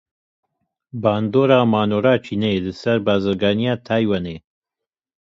Bandora manora Çînê li ser bazirganiya Taywanê.